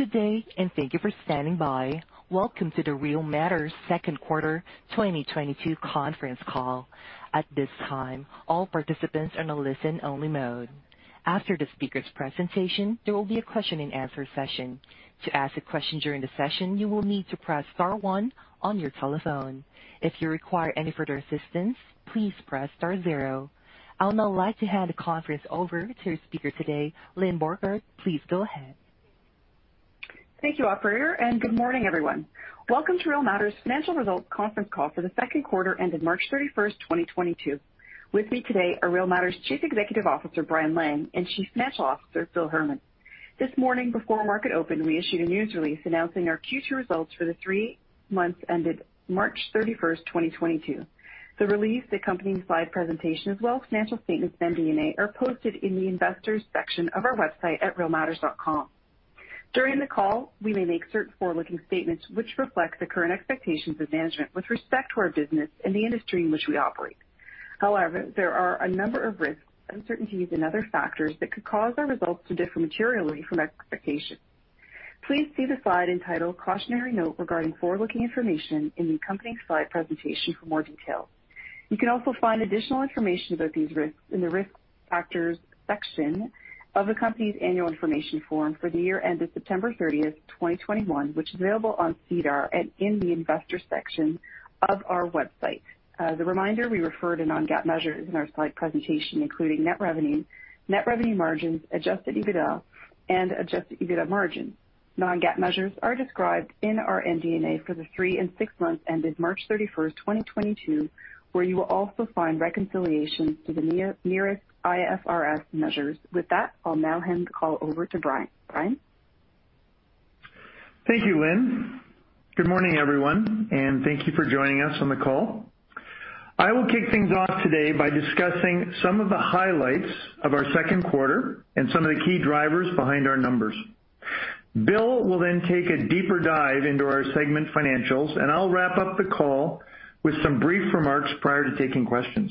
Good day, and thank you for standing by. Welcome to the Real Matters second quarter 2022 conference call. At this time, all participants are in a listen-only mode. After the speaker's presentation, there will be a question-and-answer session. To ask a question during the session, you will need to press star one on your telephone. If you require any further assistance, please press star zero. I would now like to hand the conference over to speaker today, Lyne Beauregard. Please go ahead. Thank you, operator, and good morning, everyone. Welcome to Real Matters financial results conference call for the second quarter ended March 31st, 2022. With me today are Real Matters Chief Executive Officer, Brian Lang, and Chief Financial Officer, Bill Herman. This morning before market open, we issued a news release announcing our Q2 results for the three months ended March 31st, 2022. The release, accompanying slide presentation, as well as financial statements and MD&A, are posted in the investors section of our website at realmatters.com. During the call, we may make certain forward-looking statements which reflect the current expectations of management with respect to our business and the industry in which we operate. However, there are a number of risks, uncertainties, and other factors that could cause our results to differ materially from expectations. Please see the slide entitled Cautionary Note Regarding Forward-Looking Information in the accompanying slide presentation for more details. You can also find additional information about these risks in the Risk Factors section of the company's annual information form for the year ended September 30th, 2021, which is available on SEDAR and in the investor section of our website. As a reminder, we refer to non-GAAP measures in our slide presentation, including net revenue, net revenue margins, adjusted EBITDA, and adjusted EBITDA margin. Non-GAAP measures are described in our MD&A for the three and six months ended March 31st, 2022, where you will also find reconciliation to the nearest IFRS measures. With that, I'll now hand the call over to Brian. Brian? Thank you, Lyne. Good morning, everyone, and thank you for joining us on the call. I will kick things off today by discussing some of the highlights of our second quarter and some of the key drivers behind our numbers. Bill will then take a deeper dive into our segment financials, and I'll wrap up the call with some brief remarks prior to taking questions.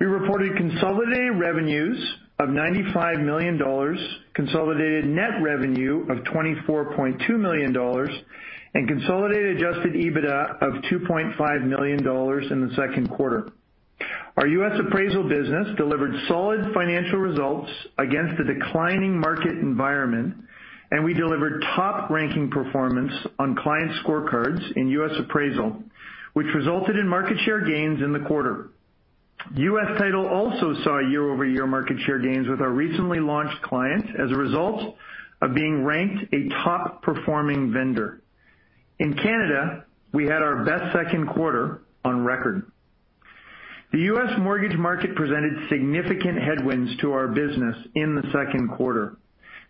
We reported consolidated revenues of 95 million dollars, consolidated net revenue of 24.2 million dollars, and consolidated adjusted EBITDA of 2.5 million dollars in the second quarter. Our U.S. Appraisal business delivered solid financial results against the declining market environment, and we delivered top-ranking performance on client scorecards in U.S. Appraisal, which resulted in market share gains in the quarter. U.S. Title also saw year-over-year market share gains with our recently launched client as a result of being ranked a top-performing vendor. In Canada, we had our best second quarter on record. The U.S. mortgage market presented significant headwinds to our business in the second quarter.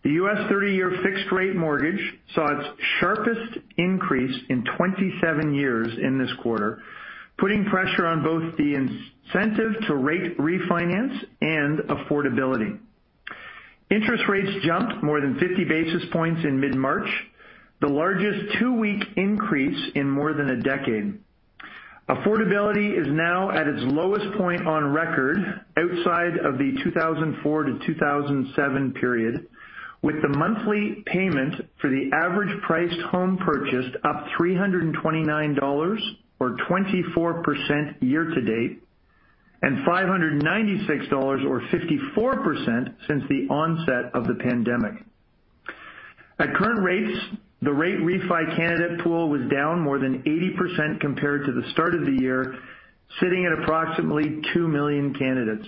The U.S. 30-year fixed rate mortgage saw its sharpest increase in 27 years in this quarter, putting pressure on both the incentive to refinance and affordability. Interest rates jumped more than 50 basis points in mid-March, the largest two-week increase in more than a decade. Affordability is now at its lowest point on record outside of the 2004-2007 period, with the monthly payment for the average-priced home purchased up $329 or 24% year-to-date, and $596 or 54% since the onset of the pandemic. At current rates, the rate refi candidate pool was down more than 80% compared to the start of the year, sitting at approximately 2 million candidates.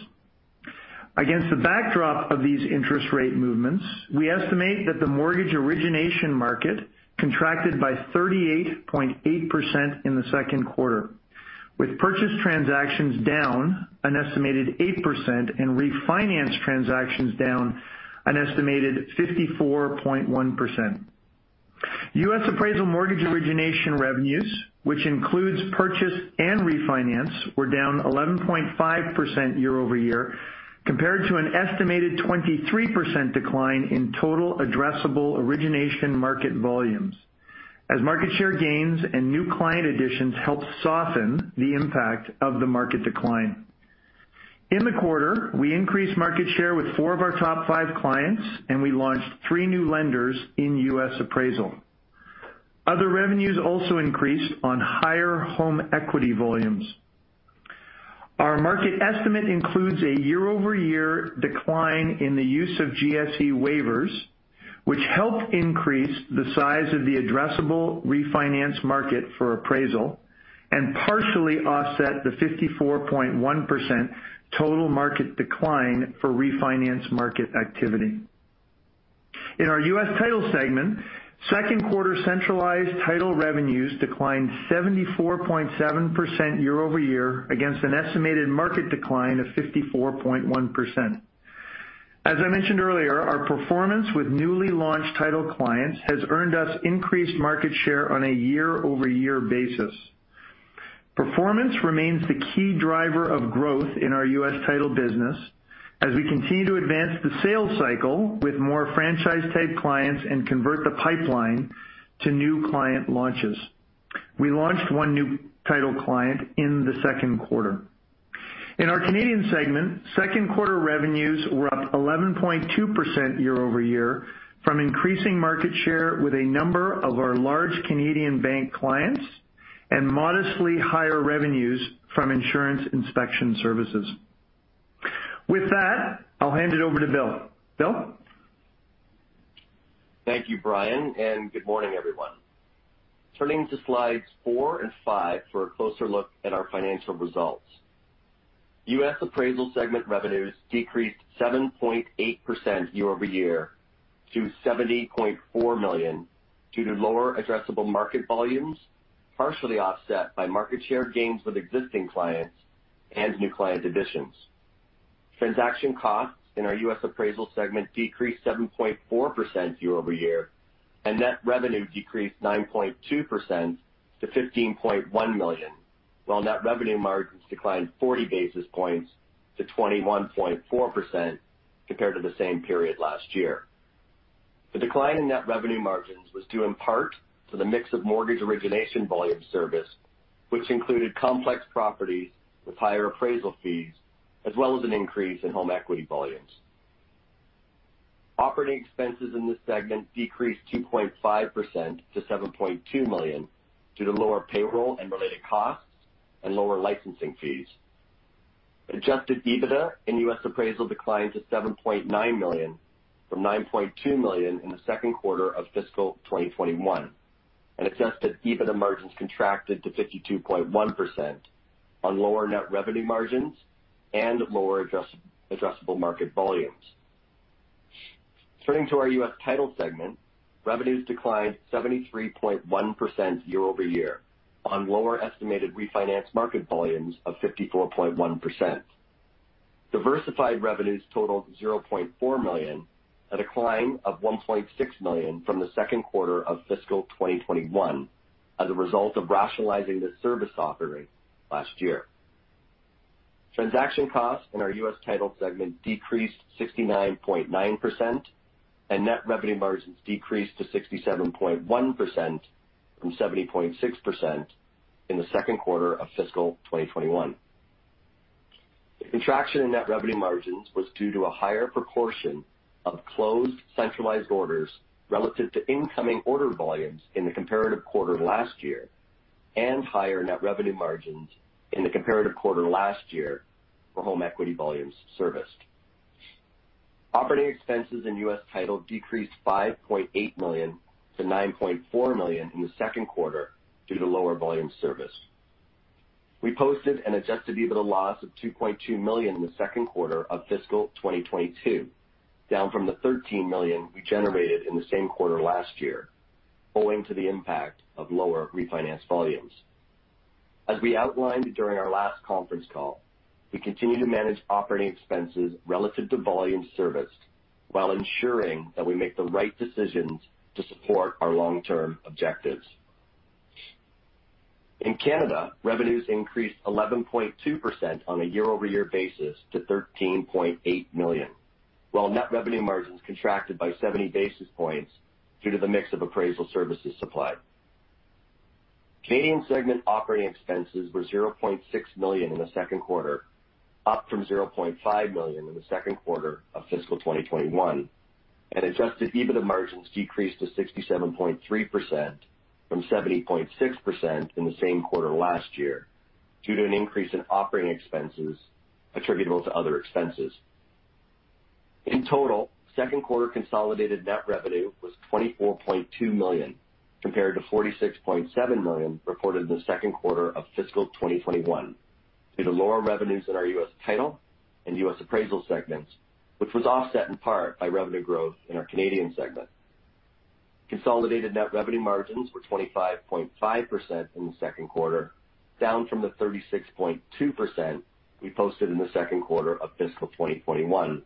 Against the backdrop of these interest rate movements, we estimate that the mortgage origination market contracted by 38.8% in the second quarter, with purchase transactions down an estimated 8% and refinance transactions down an estimated 54.1%. U.S. Appraisal mortgage origination revenues, which includes purchase and refinance, were down 11.5% year-over-year compared to an estimated 23% decline in total addressable origination market volumes, as market share gains and new client additions helped soften the impact of the market decline. In the quarter, we increased market share with four of our top five clients, and we launched three new lenders in U.S. Appraisal. Other revenues also increased on higher home equity volumes. Our market estimate includes a year-over-year decline in the use of GSE waivers, which helped increase the size of the addressable refinance market for appraisal and partially offset the 54.1% total market decline for refinance market activity. In our U.S. Title segment, second quarter centralized title revenues declined 74.7% year-over-year against an estimated market decline of 54.1%. As I mentioned earlier, our performance with newly launched title clients has earned us increased market share on a year-over-year basis. Performance remains the key driver of growth in our U.S. Title business as we continue to advance the sales cycle with more franchise-type clients and convert the pipeline to new client launches. We launched one new title client in the second quarter. In our Canadian segment, second-quarter revenues were up 11.2% year-over-year from increasing market share with a number of our large Canadian bank clients and modestly higher revenues from insurance inspection services. With that, I'll hand it over to Bill. Bill? Thank you, Brian, and good morning, everyone. Turning to slides four and five for a closer look at our financial results. U.S. Appraisal segment revenues decreased 7.8% year-over-year to 70.4 million due to lower addressable market volumes, partially offset by market share gains with existing clients and new client additions. Transaction costs in our U.S. Appraisal segment decreased 7.4% year-over-year, and net revenue decreased 9.2% to 15.1 million, while net revenue margins declined 40 basis points to 21.4% compared to the same period last year. The decline in net revenue margins was due in part to the mix of mortgage origination volume serviced, which included complex properties with higher appraisal fees, as well as an increase in home equity volumes. Operating expenses in this segment decreased 2.5% to $7.2 million due to lower payroll and related costs and lower licensing fees. Adjusted EBITDA in U.S. Appraisal declined to $7.9 million from $9.2 million in the second quarter of fiscal 2021, and adjusted EBITDA margins contracted to 52.1% on lower net revenue margins and lower addressable market volumes. Turning to our U.S. Title segment, revenues declined 73.1% year-over-year on lower estimated refinance market volumes of 54.1%. Diversified revenues totaled $0.4 million, a decline of $1.6 million from the second quarter of fiscal 2021 as a result of rationalizing the service offering last year. Transaction costs in our U.S. Title segment decreased 69.9%, and net revenue margins decreased to 67.1% from 70.6% in the second quarter of fiscal 2021. The contraction in net revenue margins was due to a higher proportion of closed centralized orders relative to incoming order volumes in the comparative quarter last year, and higher net revenue margins in the comparative quarter last year for home equity volumes serviced. Operating expenses in U.S. Title decreased $5.8 million to $9.4 million in the second quarter due to lower volume serviced. We posted an adjusted EBITDA loss of $2.2 million in the second quarter of fiscal 2022, down from the $13 million we generated in the same quarter last year, owing to the impact of lower refinance volumes. As we outlined during our last conference call, we continue to manage operating expenses relative to volume serviced while ensuring that we make the right decisions to support our long-term objectives. In Canada, revenues increased 11.2% on a year-over-year basis to 13.8 million, while net revenue margins contracted by 70 basis points due to the mix of appraisal services supplied. Canadian segment operating expenses were 0.6 million in the second quarter, up from 0.5 million in the second quarter of fiscal 2021, and adjusted EBITDA margins decreased to 67.3% from 70.6% in the same quarter last year due to an increase in operating expenses attributable to other expenses. In total, second quarter consolidated net revenue was $24.2 million, compared to $46.7 million reported in the second quarter of fiscal 2021 due to lower revenues in our U.S. Title and U.S. Appraisal segments, which was offset in part by revenue growth in our Canadian segment. Consolidated net revenue margins were 25.5% in the second quarter, down from the 36.2% we posted in the second quarter of fiscal 2021,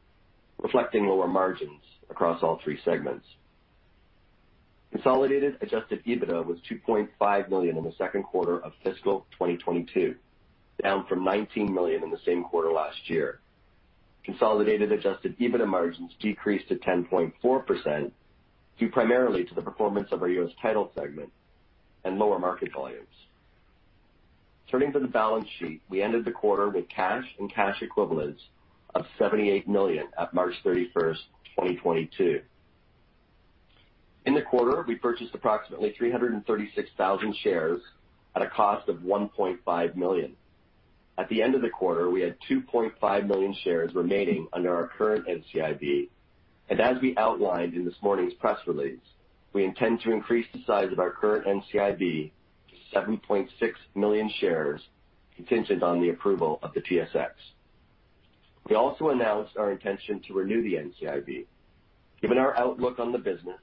reflecting lower margins across all three segments. Consolidated adjusted EBITDA was $2.5 million in the second quarter of fiscal 2022, down from $19 million in the same quarter last year. Consolidated adjusted EBITDA margins decreased to 10.4% due primarily to the performance of our U.S. Title segment and lower market volumes. Turning to the balance sheet, we ended the quarter with cash and cash equivalents of 78 million at March 31st, 2022. In the quarter, we purchased approximately 336,000 shares at a cost of 1.5 million. At the end of the quarter, we had 2.5 million shares remaining under our current NCIB. As we outlined in this morning's press release, we intend to increase the size of our current NCIB to 7.6 million shares contingent on the approval of the TSX. We also announced our intention to renew the NCIB. Given our outlook on the business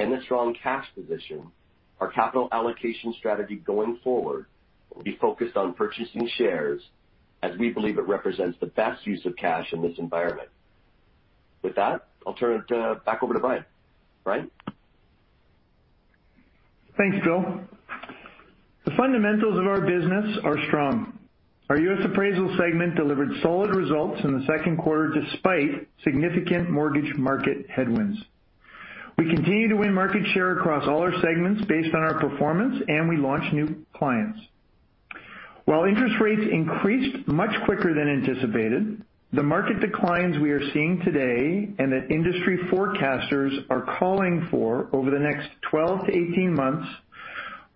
and the strong cash position, our capital allocation strategy going forward will be focused on purchasing shares as we believe it represents the best use of cash in this environment. With that, I'll turn it back over to Brian. Brian? Thanks, Bill. The fundamentals of our business are strong. Our U.S. Appraisal segment delivered solid results in the second quarter despite significant mortgage market headwinds. We continue to win market share across all our segments based on our performance, and we launch new clients. While interest rates increased much quicker than anticipated, the market declines we are seeing today and that industry forecasters are calling for over the next 12-18 months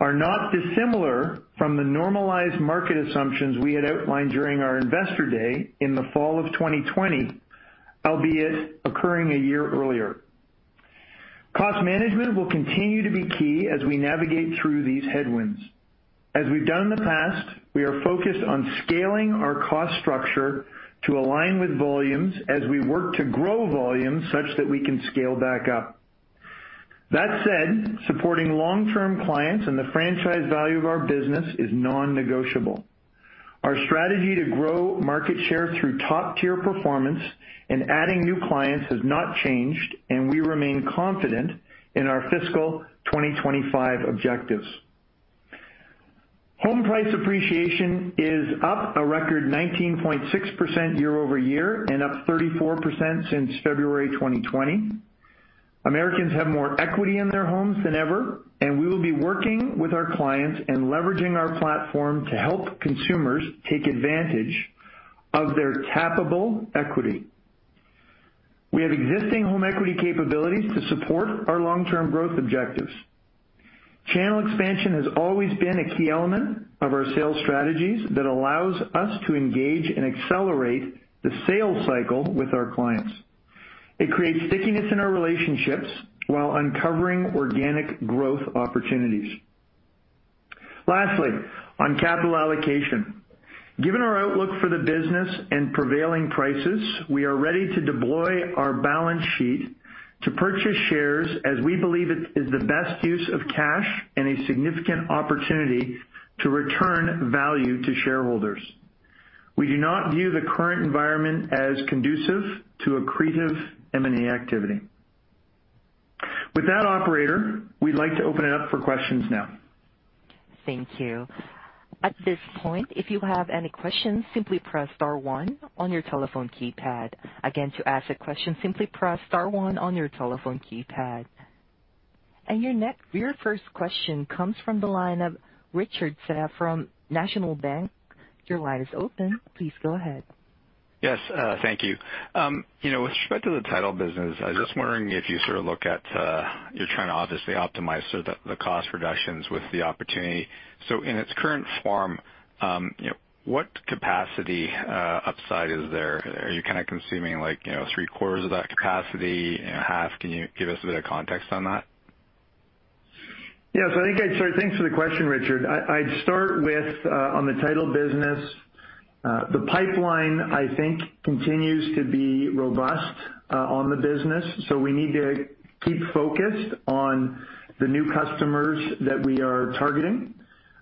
are not dissimilar from the normalized market assumptions we had outlined during our Investor Day in the fall of 2020, albeit occurring a year earlier. Cost management will continue to be key as we navigate through these headwinds. As we've done in the past, we are focused on scaling our cost structure to align with volumes as we work to grow volumes such that we can scale back up. That said, supporting long-term clients and the franchise value of our business is non-negotiable. Our strategy to grow market share through top-tier performance and adding new clients has not changed, and we remain confident in our fiscal 2025 objectives. Home price appreciation is up a record 19.6% year-over-year and up 34% since February 2020. Americans have more equity in their homes than ever, and we will be working with our clients and leveraging our platform to help consumers take advantage of their tappable equity. We have existing home equity capabilities to support our long-term growth objectives. Channel expansion has always been a key element of our sales strategies that allows us to engage and accelerate the sales cycle with our clients. It creates stickiness in our relationships while uncovering organic growth opportunities. Lastly, on capital allocation. Given our outlook for the business and prevailing prices, we are ready to deploy our balance sheet to purchase shares as we believe it is the best use of cash and a significant opportunity to return value to shareholders. We do not view the current environment as conducive to accretive M&A activity. With that, operator, we'd like to open it up for questions now. Thank you. At this point, if you have any questions, simply press star one on your telephone keypad. Again, to ask a question, simply press star one on your telephone keypad. Your first question comes from the line of Richard Tse from National Bank. Your line is open. Please go ahead. Yes, thank you. You know, with respect to the title business, I was just wondering if you sort of look at, you're trying to obviously optimize so the cost reductions with the opportunity. In its current form, you know, what capacity upside is there? Are you kind of consuming like, you know, three-quarters of that capacity and half? Can you give us a bit of context on that? Thanks for the question, Richard. I'd start with on the title business. The pipeline I think continues to be robust on the business. We need to keep focused on the new customers that we are targeting.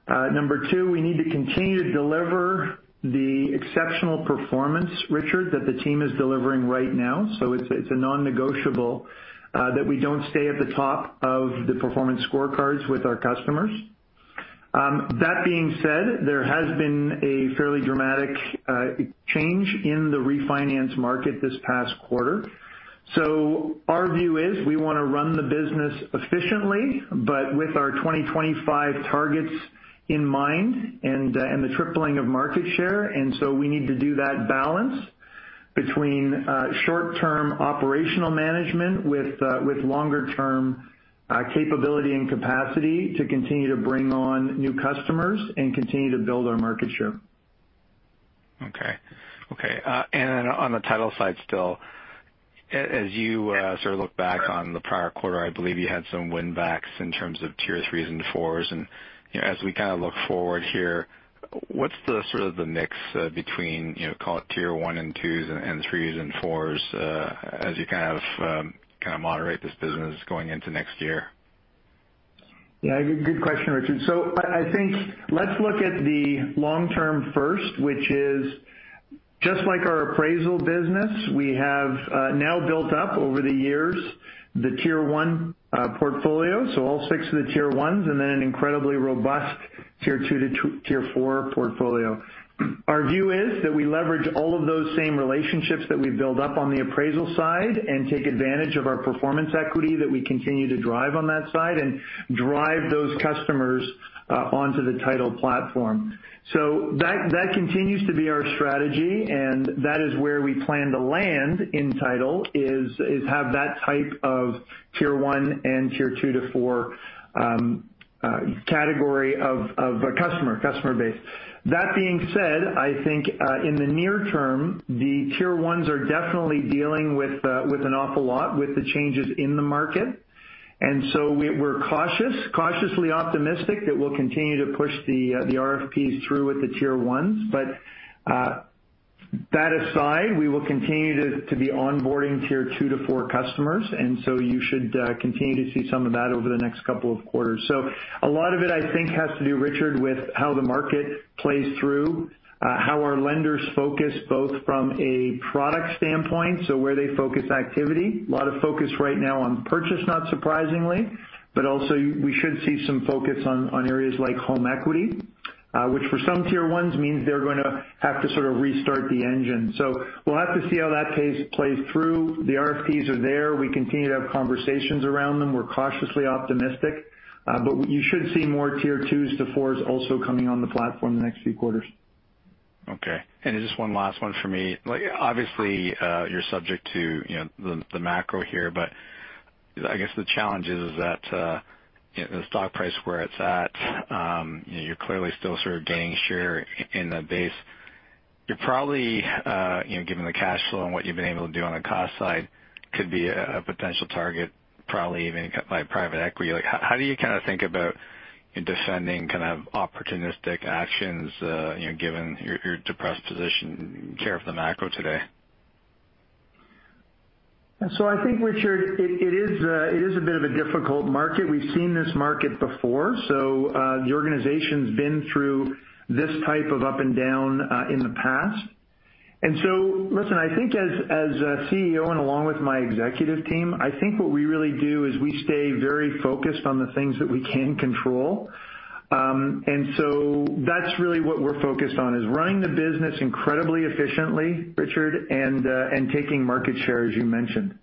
Number two, we need to continue to deliver the exceptional performance, Richard, that the team is delivering right now. It's a non-negotiable that we don't stay at the top of the performance scorecards with our customers. That being said, there has been a fairly dramatic change in the refinance market this past quarter. Our view is we wanna run the business efficiently, but with our 2025 targets in mind and the tripling of market share. We need to do that balance between short-term operational management with longer term capability and capacity to continue to bring on new customers and continue to build our market share. Okay. On the title side still, as you sort of look back on the prior quarter, I believe you had some win backs in terms of Tier 3s and Tier 4s. You know, as we kind of look forward here, what's the sort of mix between, you know, call it Tier 1 and Tier 2s and Tier 3s and Tier 4s, as you kind of moderate this business going into next year? Yeah, good question, Richard. I think let's look at the long-term first, which is just like our appraisal business. We have now built up over the years the Tier 1 portfolio, so all six of the Tier 1s, and then an incredibly robust Tier 2 to Tier 4 portfolio. Our view is that we leverage all of those same relationships that we build up on the appraisal side and take advantage of our performance equity that we continue to drive on that side and drive those customers onto the title platform. That continues to be our strategy, and that is where we plan to land in title, is have that type of Tier 1 and Tier 2 to Tier 4 category of a customer base. That being said, I think in the near term, the Tier 1s are definitely dealing with an awful lot with the changes in the market. We're cautious, cautiously optimistic that we'll continue to push the RFPs through with the Tier 1s. That aside, we will continue to be onboarding Tier 2 to Tier 4 customers, and so you should continue to see some of that over the next couple of quarters. A lot of it, I think, has to do, Richard, with how the market plays through, how our lenders focus both from a product standpoint, so where they focus activity. A lot of focus right now on purchase, not surprisingly, but also we should see some focus on areas like home equity. Which for some Tier 1s means they're gonna have to sort of restart the engine. We'll have to see how that pace plays through. The RFPs are there. We continue to have conversations around them. We're cautiously optimistic, but you should see more Tier 2s to Tier 4s also coming on the platform the next few quarters. Okay. Just one last one for me. Like, obviously, you're subject to the macro here, but I guess the challenge is that the stock price where it's at, you're clearly still sort of gaining share in the base. You're probably given the cash flow and what you've been able to do on the cost side, could be a potential target, probably even by private equity. Like, how do you kinda think about defending kind of opportunistic actions, given your depressed position courtesy of the macro today? I think, Richard, it is a bit of a difficult market. We've seen this market before, the organization's been through this type of up and down in the past. Listen, I think as a CEO and along with my executive team, I think what we really do is we stay very focused on the things that we can control. That's really what we're focused on, is running the business incredibly efficiently, Richard, and taking market share, as you mentioned.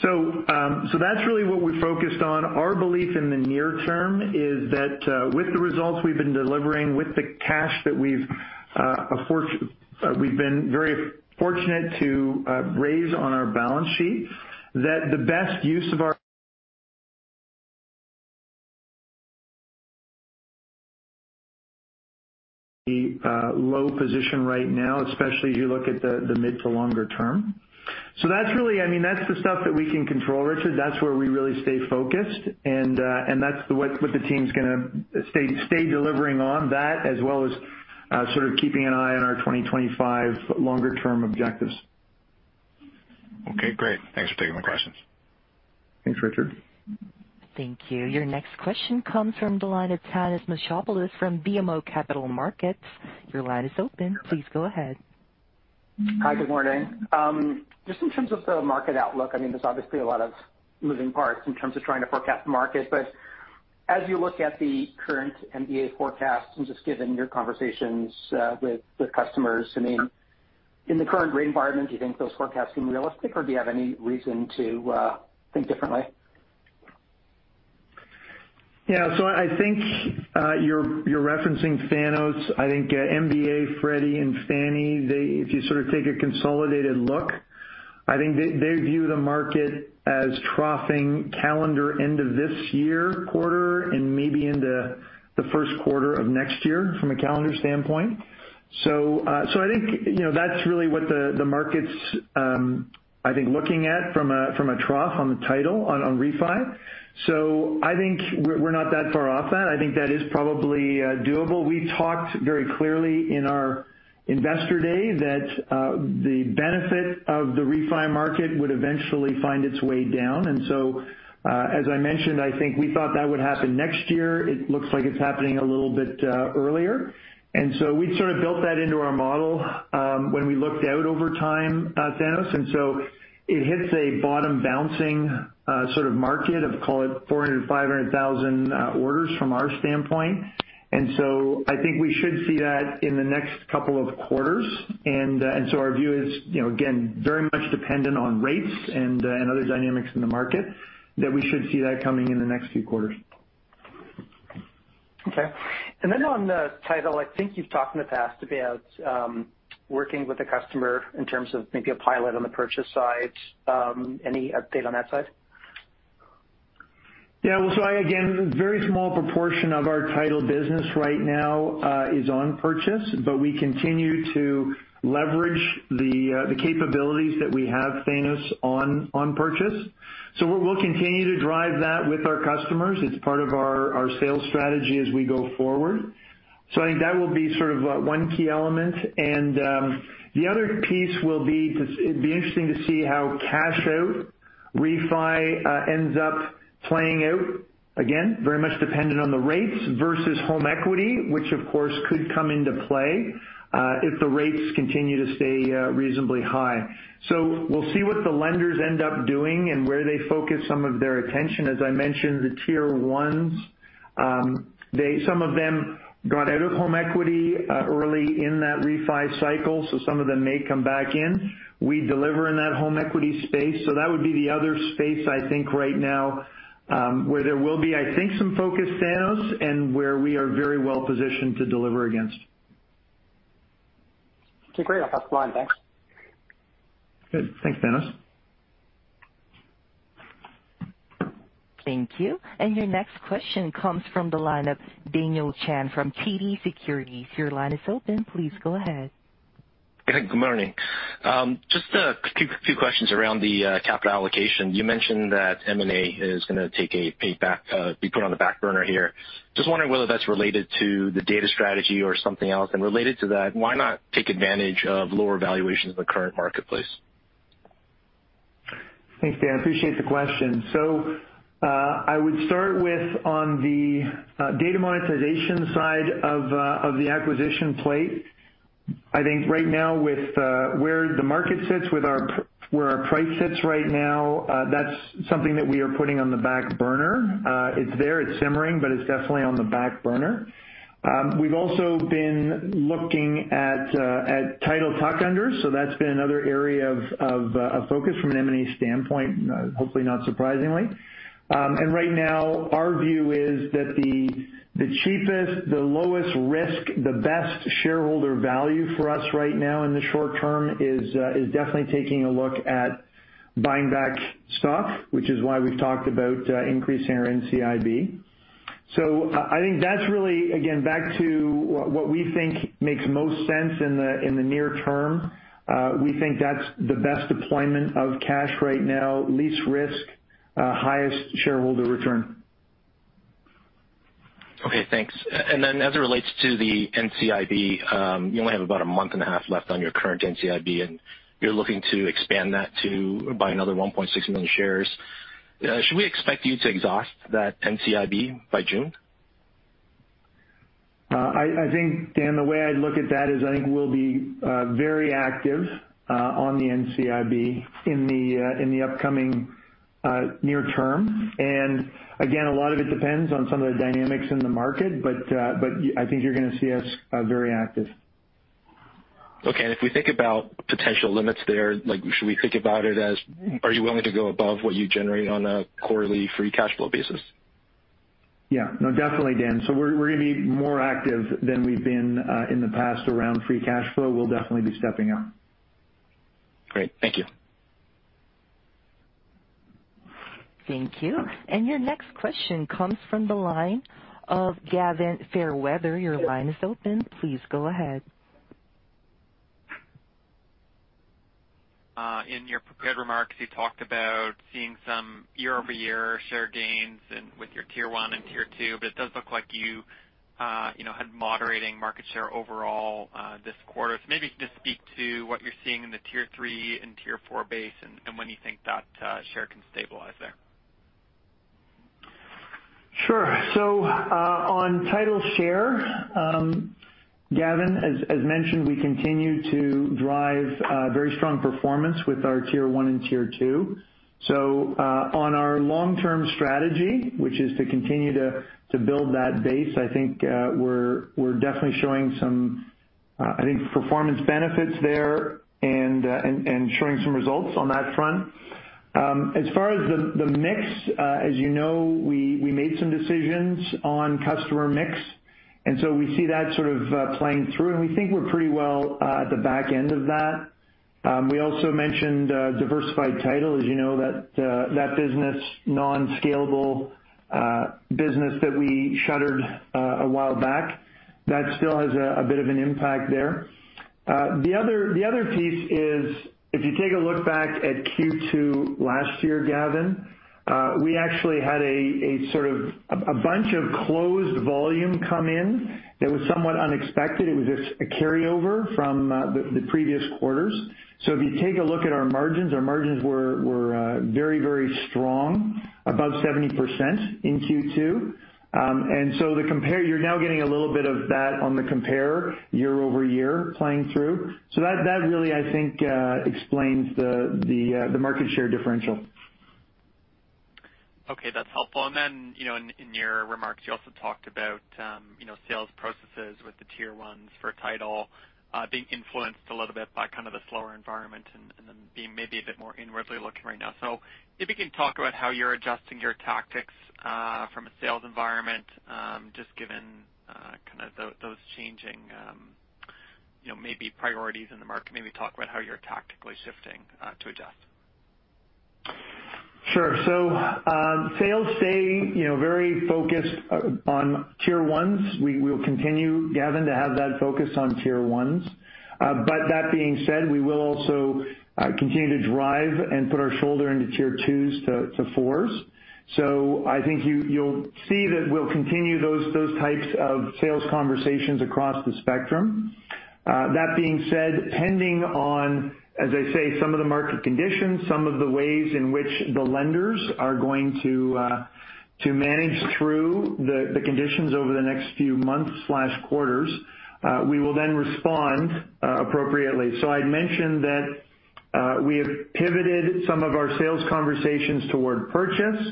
That's really what we're focused on. Our belief in the near term is that, with the results we've been delivering, with the cash that we've been very fortunate to raise on our balance sheet, that the best use of our low position right now, especially as you look at the mid to longer term. That's really I mean, that's the stuff that we can control, Richard. That's where we really stay focused and that's what the team's gonna stay delivering on that as well as, sort of keeping an eye on our 2025 longer term objectives. Okay, great. Thanks for taking my questions. Thanks, Richard. Thank you. Your next question comes from the line of Thanos Moschopoulos from BMO Capital Markets. Your line is open. Please go ahead. Hi, good morning. Just in terms of the market outlook, I mean, there's obviously a lot of moving parts in terms of trying to forecast the market. As you look at the current MBA forecast and just given your conversations with customers, I mean, in the current rate environment, do you think those forecasts seem realistic, or do you have any reason to think differently? Yeah. I think you're referencing Thanos. I think MBA, Freddie and Fannie, they, if you sort of take a consolidated look, I think they view the market as troughing calendar end of this year quarter and maybe into the first quarter of next year from a calendar standpoint. I think, you know, that's really what the market's, I think, looking at from a, from a trough on the title on refi. I think we're not that far off that. I think that is probably doable. We talked very clearly in our Investor Day that the benefit of the refi market would eventually find its way down. As I mentioned, I think we thought that would happen next year. It looks like it's happening a little bit earlier. We'd sort of built that into our model, when we looked out over time, Thanos. It hits a bottom bouncing, sort of market of, call it 400,000-500,000 orders from our standpoint. I think we should see that in the next couple of quarters. Our view is, you know, again, very much dependent on rates and other dynamics in the market that we should see that coming in the next few quarters. Okay. On the title, I think you've talked in the past about working with the customer in terms of maybe a pilot on the purchase side. Any update on that side? Yeah. Well, again, very small proportion of our title business right now is on purchase, but we continue to leverage the capabilities that we have, Thanos, on purchase. We'll continue to drive that with our customers. It's part of our sales strategy as we go forward. I think that will be sort of one key element. The other piece will be it'd be interesting to see how cash-out refi ends up playing out. Again, very much dependent on the rates versus home equity, which of course could come into play if the rates continue to stay reasonably high. We'll see what the lenders end up doing and where they focus some of their attention. As I mentioned, the Tier 1s, some of them got out of home equity early in that refi cycle, so some of them may come back in. We deliver in that home equity space, so that would be the other space I think right now, where there will be, I think, some focus, Thanos, and where we are very well-positioned to deliver against. Okay, great. I'll pass the line. Thanks. Good. Thanks, Thanos. Thank you. Your next question comes from the line of Daniel Chan from TD Securities. Your line is open. Please go ahead. Good morning. Just a few questions around the capital allocation. You mentioned that M&A is gonna be put on the back burner here. Just wondering whether that's related to the data strategy or something else. Related to that, why not take advantage of lower valuations in the current marketplace? Thanks, Dan. Appreciate the question. I would start with the data monetization side of the acquisition plate. I think right now, with where the market sits with our price right now, that's something that we are putting on the back burner. It's there, it's simmering, but it's definitely on the back burner. We've also been looking at title tuck-unders, so that's been another area of focus from an M&A standpoint, hopefully not surprisingly. Right now our view is that the cheapest, the lowest risk, the best shareholder value for us right now in the short term is definitely taking a look at buying back stock, which is why we've talked about increasing our NCIB. I think that's really, again, back to what we think makes most sense in the near term. We think that's the best deployment of cash right now, least risk, highest shareholder return. Okay, thanks. As it relates to the NCIB, you only have about a month and a half left on your current NCIB, and you're looking to expand that to by another 1.6 million shares. Should we expect you to exhaust that NCIB by June? I think, Dan, the way I'd look at that is I think we'll be very active on the NCIB in the upcoming near term. Again, a lot of it depends on some of the dynamics in the market, but I think you're gonna see us very active. Okay. If we think about potential limits there, like should we think about it as are you willing to go above what you generate on a quarterly free cash flow basis? Yeah. No, definitely, Dan. We're gonna be more active than we've been in the past around free cash flow. We'll definitely be stepping up. Great. Thank you. Thank you. Your next question comes from the line of Gavin Fairweather. Your line is open. Please go ahead. In your prepared remarks, you talked about seeing some year-over-year share gains in with your Tier 1 and Tier 2, but it does look like you know, had moderating market share overall, this quarter. Maybe just speak to what you're seeing in the Tier 3 and Tier 4 base and when you think that share can stabilize there. Sure. On Title share, Gavin, as mentioned, we continue to drive very strong performance with our Tier 1 and Tier 2. On our long-term strategy, which is to continue to build that base, I think we're definitely showing some, I think, performance benefits there and showing some results on that front. As far as the mix, as you know, we made some decisions on customer mix, and so we see that sort of playing through, and we think we're pretty well at the back end of that. We also mentioned Diversified Title. As you know, that business, non-scalable business that we shuttered a while back, that still has a bit of an impact there. The other piece is, if you take a look back at Q2 last year, Gavin, we actually had a sort of a bunch of closed volume come in that was somewhat unexpected. It was a carryover from the previous quarters. If you take a look at our margins, our margins were very strong, above 70% in Q2. You're now getting a little bit of that on the comp year-over-year playing through. That really, I think, explains the market share differential. Okay, that's helpful. You know, in your remarks, you also talked about you know, sales processes with the Tier 1s for title being influenced a little bit by kind of the slower environment and then being maybe a bit more inwardly looking right now. Maybe you can talk about how you're adjusting your tactics from a sales environment just given kinda those changing maybe priorities in the market. Maybe talk about how you're tactically shifting to adjust. Sure. Sales stay, you know, very focused on Tier 1s. We will continue, Gavin, to have that focus on Tier 1s. That being said, we will also continue to drive and put our shoulder into Tier 2s to Tier 4s. I think you'll see that we'll continue those types of sales conversations across the spectrum. That being said, depending on, as I say, some of the market conditions, some of the ways in which the lenders are going to to manage through the conditions over the next few months/quarters, we will then respond appropriately. I'd mentioned that we have pivoted some of our sales conversations toward purchase.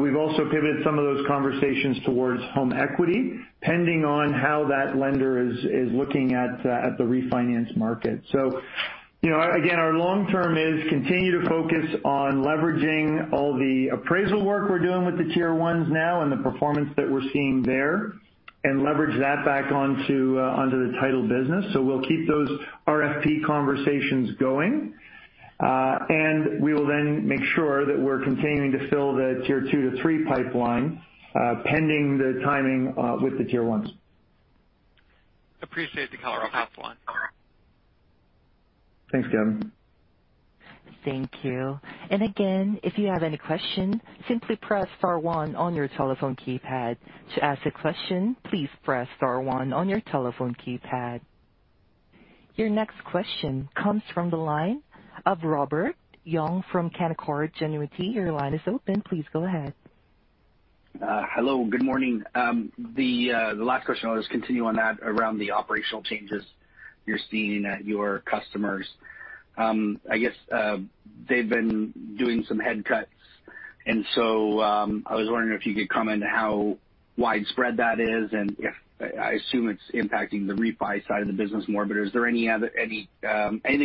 We've also pivoted some of those conversations towards home equity, depending on how that lender is looking at the refinance market. You know, again, our long-term is continue to focus on leveraging all the appraisal work we're doing with the tier ones now and the performance that we're seeing there and leverage that back onto the title business. We'll keep those RFP conversations going, and we will then make sure that we're continuing to fill the tier two to three pipeline, pending the timing with the tier ones. Appreciate the color. I'll pass the line. Thanks, Gavin. Thank you. Again, if you have any questions, simply press star one on your telephone keypad. To ask a question, please press star one on your telephone keypad. Your next question comes from the line of Robert Young from Canaccord Genuity. Your line is open. Please go ahead. Hello, good morning. The last question, I'll just continue on that around the operational changes you're seeing at your customers. I guess they've been doing some headcount cuts, and so, I was wondering if you could comment how widespread that is. I assume it's impacting the refi side of the business more, but is there anything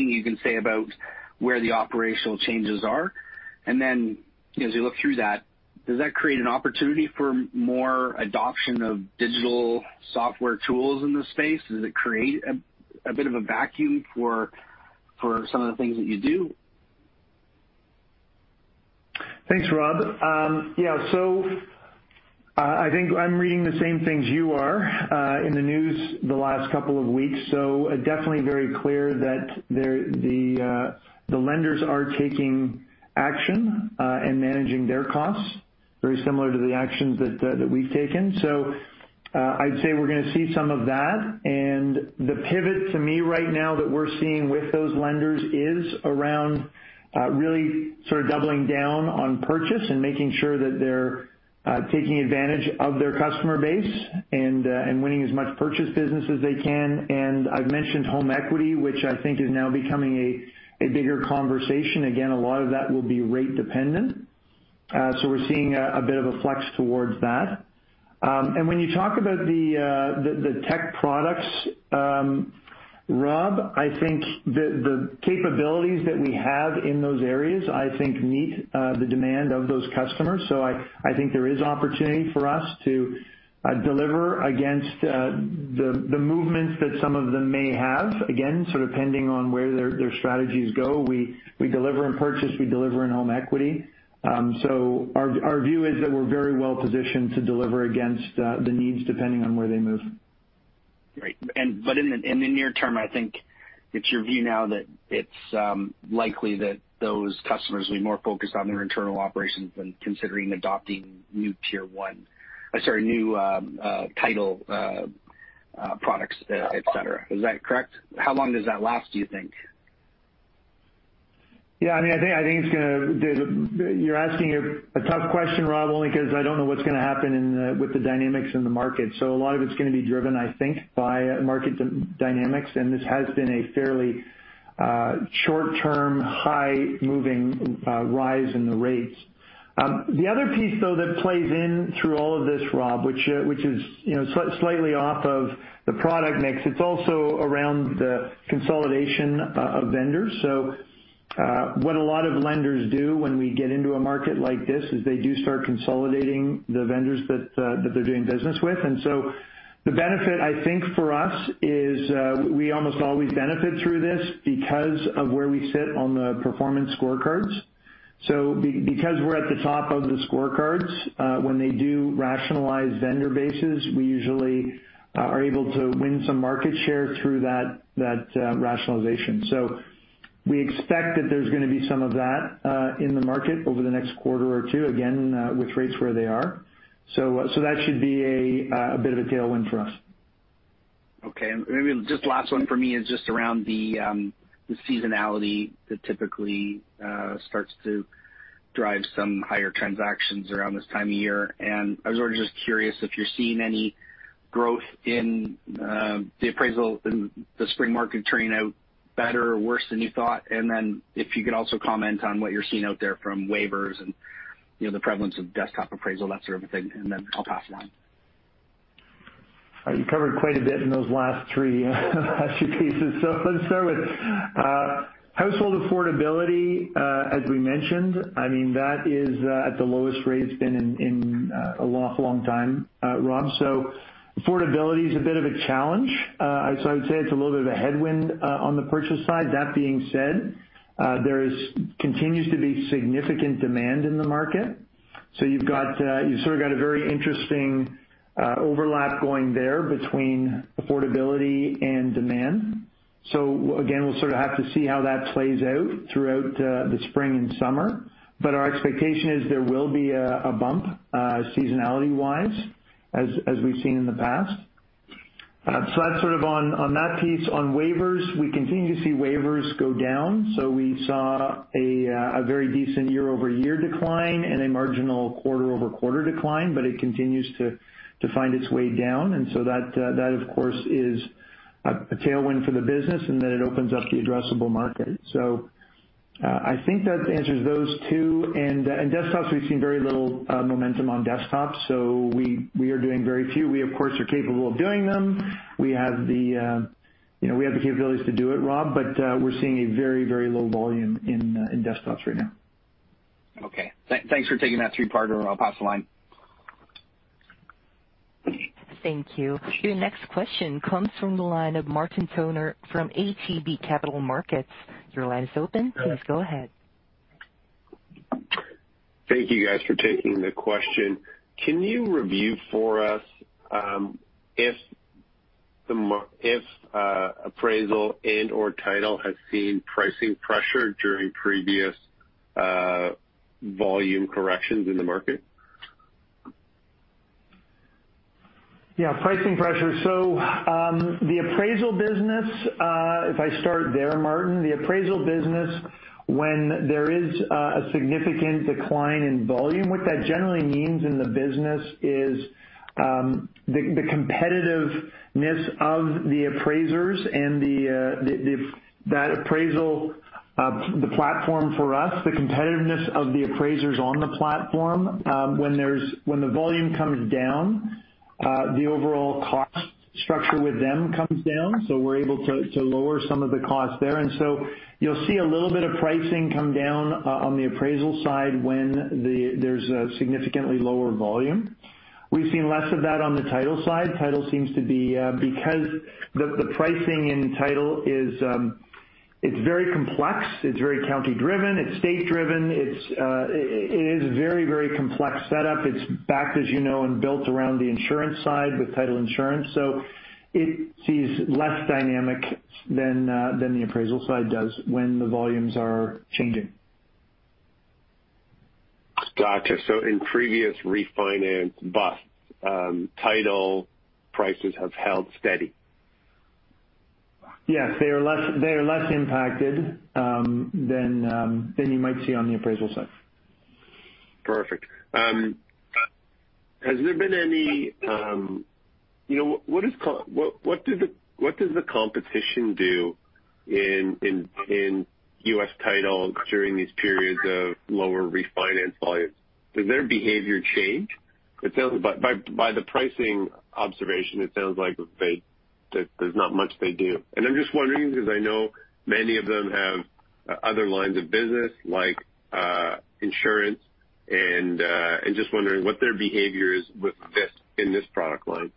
you can say about where the operational changes are? As you look through that, does that create an opportunity for more adoption of digital software tools in this space? Does it create a bit of a vacuum for some of the things that you do? Thanks, Rob. Yeah. I think I'm reading the same things you are in the news the last couple of weeks. Definitely very clear that the lenders are taking action and managing their costs very similar to the actions that we've taken. I'd say we're gonna see some of that. The pivot to me right now that we're seeing with those lenders is around really sort of doubling down on purchase and making sure that they're taking advantage of their customer base and winning as much purchase business as they can. I've mentioned home equity, which I think is now becoming a bigger conversation. Again, a lot of that will be rate-dependent. We're seeing a bit of a flex towards that. When you talk about the tech products, Rob, I think the capabilities that we have in those areas I think meet the demand of those customers. I think there is opportunity for us to deliver against the movements that some of them may have. Again, sort of depending on where their strategies go. We deliver in purchase, we deliver in home equity. Our view is that we're very well positioned to deliver against the needs depending on where they move. Great. In the near term, I think it's your view now that it's likely that those customers will be more focused on their internal operations than considering adopting new title products, et cetera. Is that correct? How long does that last, do you think? You're asking a tough question, Rob, only 'cause I don't know what's gonna happen with the dynamics in the market. A lot of it's gonna be driven, I think, by market dynamics. This has been a fairly short-term, high-moving rise in the rates. The other piece, though, that plays in through all of this, Rob, which is, you know, slightly off of the product mix, it's also around the consolidation of vendors. What a lot of lenders do when we get into a market like this is they do start consolidating the vendors that they're doing business with. The benefit, I think, for us is we almost always benefit through this because of where we sit on the performance scorecards. Because we're at the top of the scorecards, when they do rationalize vendor bases, we usually are able to win some market share through that rationalization. We expect that there's gonna be some of that in the market over the next quarter or two, again, with rates where they are. So that should be a bit of a tailwind for us. Okay. Maybe just last one for me is just around the seasonality that typically starts to drive some higher transactions around this time of year. I was already just curious if you're seeing any growth in the appraisal in the spring market turning out better or worse than you thought. Then if you could also comment on what you're seeing out there from waivers and, you know, the prevalence of desktop appraisal, that sort of thing. Then I'll pass it on. You covered quite a bit in those last three pieces. Let's start with household affordability. As we mentioned, I mean that is at the lowest rate it's been in an awful long time, Rob. Affordability is a bit of a challenge. I would say it's a little bit of a headwind on the purchase side. That being said, continues to be significant demand in the market. You've sort of got a very interesting overlap going there between affordability and demand. Again, we'll sort of have to see how that plays out throughout the spring and summer. But our expectation is there will be a bump seasonality-wise as we've seen in the past. That's sort of on that piece. On waivers, we continue to see waivers go down. We saw a very decent year-over-year decline and a marginal quarter-over-quarter decline. But it continues to find its way down. That, of course, is a tailwind for the business and that it opens up the addressable market. I think that answers those two. Desktops, we've seen very little momentum on desktops. So we are doing very few. We of course are capable of doing them. We have the capabilities to do it, Rob, but we're seeing a very low volume in desktops right now. Okay. Thanks for taking that three-parter. I'll pass the line. Thank you. Your next question comes from the line of Martin Toner from ATB Capital Markets. Your line is open. Please go ahead. Thank you guys for taking the question. Can you review for us, if appraisal and/or title has seen pricing pressure during previous volume corrections in the market? Yeah, pricing pressure. The appraisal business, if I start there, Martin. The appraisal business, when there is a significant decline in volume, what that generally means in the business is, the competitiveness of the appraisers and the appraisal platform for us, the competitiveness of the appraisers on the platform, when the volume comes down, the overall cost structure with them comes down. We're able to lower some of the costs there. You'll see a little bit of pricing come down on the appraisal side when there's a significantly lower volume. We've seen less of that on the title side. Title seems to be, because the pricing in title is, it's very complex, it's very county driven, it's state driven, it's, it is a very complex setup. It's backed, as you know, and built around the insurance side with title insurance. It sees less dynamics than the appraisal side does when the volumes are changing. Gotcha. In previous refinance busts, title prices have held steady? Yes. They are less impacted than you might see on the appraisal side. Perfect. You know, what does the competition do in U.S. Title during these periods of lower refinance volumes? Does their behavior change? It sounds by the pricing observation, it sounds like that there's not much they do. I'm just wondering because I know many of them have other lines of business like insurance, and just wondering what their behavior is with this in this product line.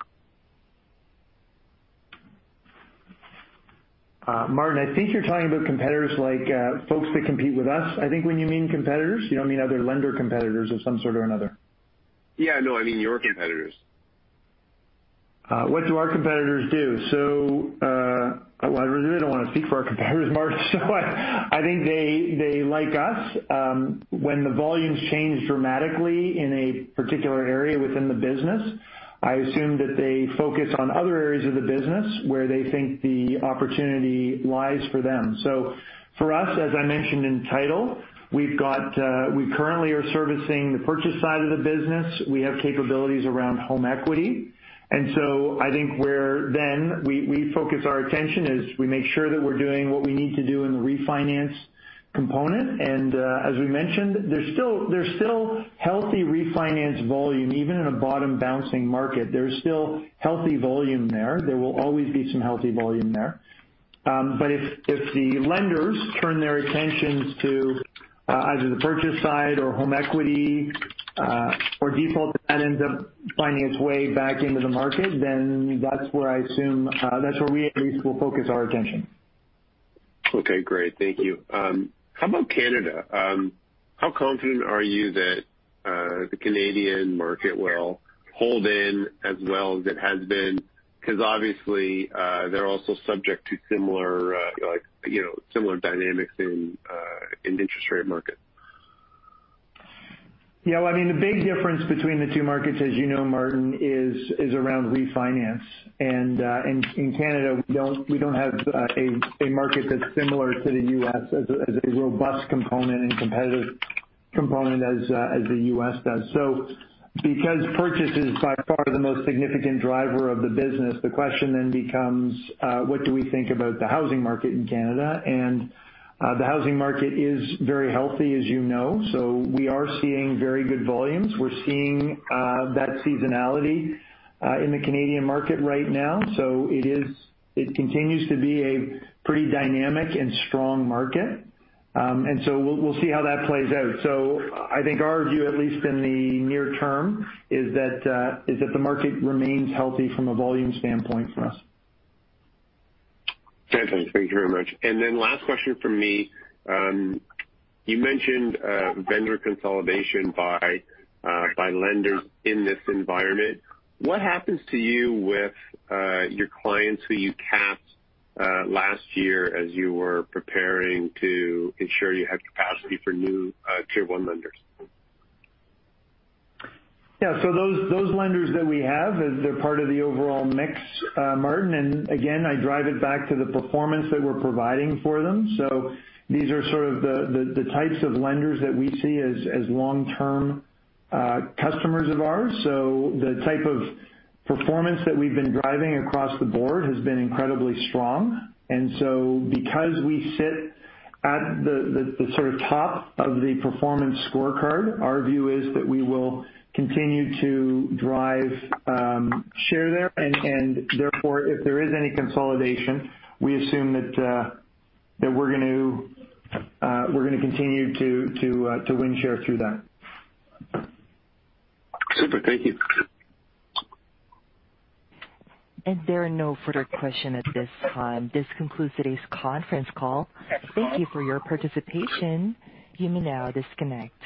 Martin, I think you're talking about competitors like folks that compete with us. I think when you mean competitors, you don't mean other lender competitors of some sort or another. Yeah, no, I mean your competitors. What do our competitors do? Well, I really don't want to speak for our competitors, Martin. I think they like us. When the volumes change dramatically in a particular area within the business, I assume that they focus on other areas of the business where they think the opportunity lies for them. For us, as I mentioned in title, we currently are servicing the purchase side of the business. We have capabilities around home equity. I think where we focus our attention is we make sure that we're doing what we need to do in the refinance component. As we mentioned, there's still healthy refinance volume. Even in a bottom bouncing market, there's still healthy volume there. There will always be some healthy volume there. If the lenders turn their attentions to either the purchase side or home equity or default, that ends up finding its way back into the market, then that's where I assume we at least will focus our attention. Okay, great. Thank you. How about Canada? How confident are you that the Canadian market will hold in as well as it has been? Because obviously, they're also subject to similar, like, you know, similar dynamics in interest rate market. Yeah. Well, I mean, the big difference between the two markets, as you know, Martin, is around refinance. In Canada, we don't have a market that's similar to the U.S. as a robust component and competitive component as the U.S. does. Because purchase is by far the most significant driver of the business, the question then becomes, what do we think about the housing market in Canada? The housing market is very healthy, as you know. We are seeing very good volumes. We're seeing that seasonality in the Canadian market right now. It continues to be a pretty dynamic and strong market. We'll see how that plays out. I think our view, at least in the near term, is that the market remains healthy from a volume standpoint for us. Okay. Thank you very much. Then last question from me. You mentioned vendor consolidation by lenders in this environment. What happens to you with your clients who you capped last year, as you were preparing to ensure you had capacity for new tier one lenders? Yeah. Those lenders that we have as they're part of the overall mix, Martin, and again, I drive it back to the performance that we're providing for them. These are sort of the types of lenders that we see as long-term customers of ours. The type of performance that we've been driving across the board has been incredibly strong. Because we sit at the sort of top of the performance scorecard, our view is that we will continue to drive share there. Therefore, if there is any consolidation, we assume that we're gonna continue to win share through that. Super. Thank you. There are no further questions at this time. This concludes today's conference call. Thank you for your participation. You may now disconnect.